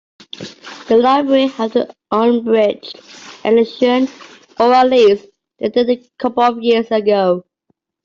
The library have the unabridged edition, or at least they did a couple of years ago.